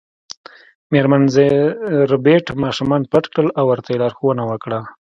میرمن ربیټ ماشومان پټ کړل او ورته یې لارښوونه وکړه